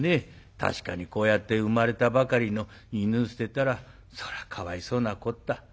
確かにこうやって生まれたばかりの犬捨てたらそらかわいそうなこった。